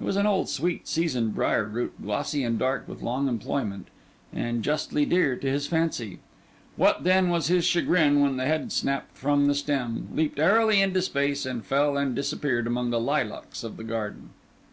It was an old, sweet, seasoned briar root, glossy and dark with long employment, and justly dear to his fancy. What, then, was his chagrin, when the head snapped from the stem, leaped airily in space, and fell and disappeared among the lilacs of the garden?